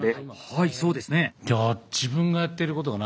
はいそうですね。